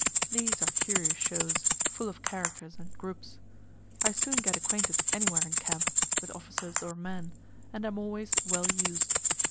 These are curious shows, full of characters and groups. I soon get acquainted anywhere in camp, with officers or men, and am always well used.